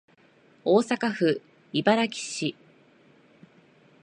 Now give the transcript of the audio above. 大阪府茨木市